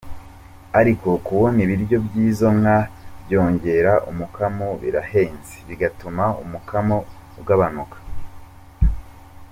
Ariko kubona ibiryo by’izo nka, byongera umukamo birahenze bigatuma umukamo ugabanuka.